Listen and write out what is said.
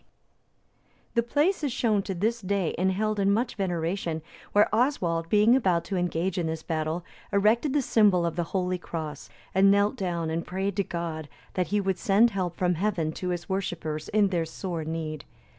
D.] The place is shown to this day, and held in much veneration, where Oswald, being about to engage in this battle, erected the symbol of the Holy Cross, and knelt down and prayed to God that he would send help from Heaven to his worshippers in their sore need.